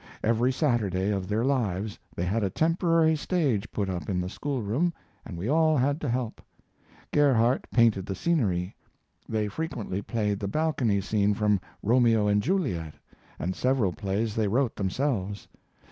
Every Saturday of their lives they had a temporary stage put up in the school room and we all had to help. Gerhardt painted the scenery. They frequently played the balcony scene from "Romeo and Juliet" and several plays they wrote themselves.